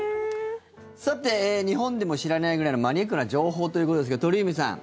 日本でも知られないくらいのマニアックな情報ということですけど、鳥海さん